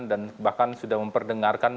dan bahkan sudah memperdengarkan